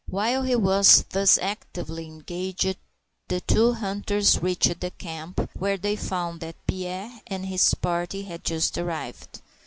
While he was thus actively engaged the two hunters reached the camp, where they found that Pierre and his party had just arrived.